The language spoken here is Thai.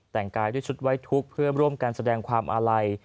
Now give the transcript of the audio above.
แต่งกายด้วยชุดไว้ทุกข์เพื่อร่วมกันแสดงความอาลัย